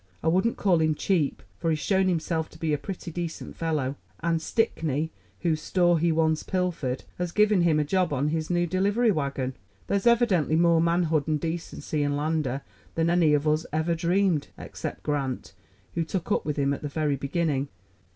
"I wouldn't call him cheap, for he's shown himself to be a pretty decent fellow; and Stickney, whose store he once pilfered, has given him a job on his new delivery wagon. There's evidently more manhood and decency in Lander than any of us ever dreamed except Grant, who took up with him at the very beginning."